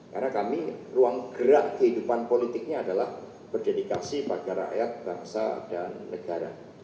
karena kami ruang gerak kehidupan politiknya adalah berdedikasi bagi rakyat bangsa dan negara